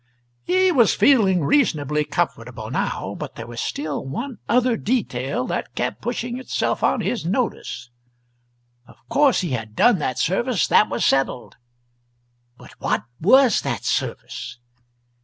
He was feeling reasonably comfortable now, but there was still one other detail that kept pushing itself on his notice: of course he had done that service that was settled; but what was that service?